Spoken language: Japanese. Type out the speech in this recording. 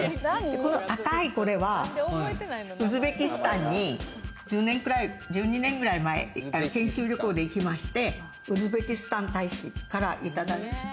この赤いこれはウズベキスタンに１０年くらい、１２年くらい前に研修旅行で行きまして、ウズベキスタン大使からいただいた。